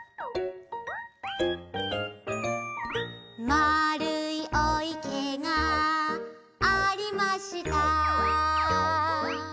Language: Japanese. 「まるいお池がありました」